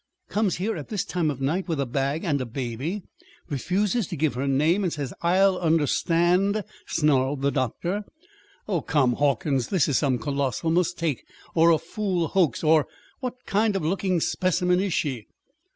_ Comes here at this time of night with a bag and a baby, refuses to give her name, and says I'll understand!" snarled the doctor. "Oh, come, Hawkins, this is some colossal mistake, or a fool hoax, or What kind of looking specimen is she?"